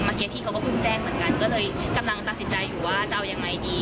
เมื่อกี้ที่เขาก็เพิ่งแจ้งเหมือนกันก็เลยกำลังตัดสินใจอยู่ว่าจะเอายังไงดี